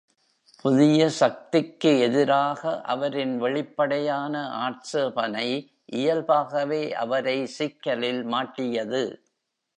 புதிய சக்திக்கு எதிராக, அவரின் வெளிப்படையான ஆட்சேபனை, இயல்பாகவே அவரை சிக்கலில் மாட்டியது.